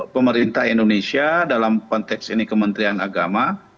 pemerintah indonesia dalam konteks ini kementerian agama